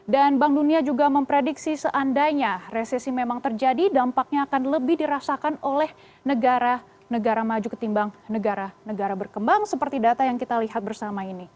dan bank dunia juga memprediksi seandainya resesi memang terjadi dampaknya akan lebih dirasakan oleh negara negara maju ketimbang negara negara berkembang seperti data yang kita lihat bersama ini